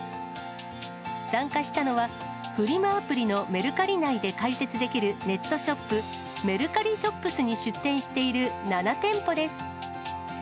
参加したのは、フリマアプリのメルカリ内で開設できるネットショップ、メルカリＳｈｏｐｓに出店している７店舗です。